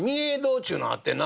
ちゅうのがあってな